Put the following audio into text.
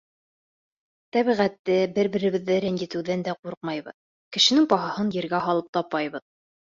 Тәбиғәтте, бер-беребеҙҙе рәнйетеүҙән дә ҡурҡмайбыҙ, кешенең баһаһын ергә һалып тапайбыҙ.